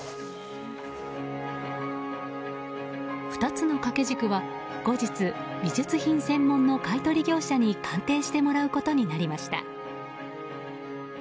２つの掛け軸は後日美術品専門の買い取り業者に鑑定してもらうことになりました。